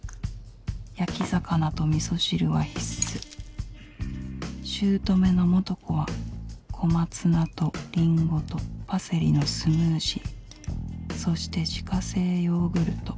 焼き魚と味噌汁は必須姑の素子は小松菜とりんごとパセリのスムージーそして自家製ヨーグルト。